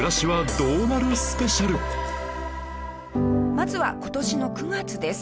まずは今年の９月です。